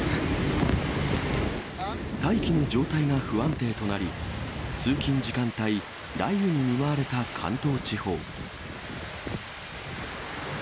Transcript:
大気の状態が不安定となり、通勤時間帯、雷雨に見舞われた関東地方。